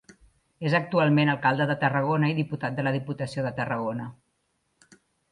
És actualment Alcalde de Tarragona i diputat de la Diputació de Tarragona.